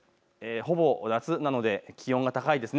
ほぼ夏なので気温が高いです。